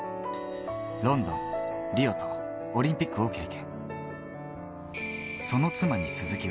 ロンドン、リオとオリンピックを経験。